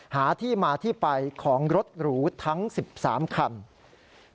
หาที่มาที่ไปของรถหรูทั้ง๑๓คัน